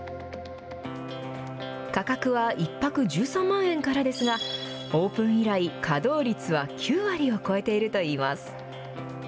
価格は１泊１３万円からですが、オープン以来、稼働率は９割を超えているといいます。